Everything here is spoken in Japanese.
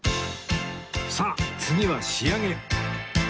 さあ次は仕上げ